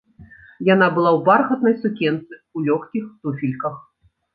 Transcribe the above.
Яна была ў бархатнай сукенцы, у лёгкіх туфельках.